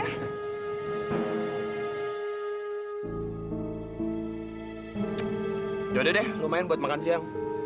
udah deh deh lumayan buat makan siang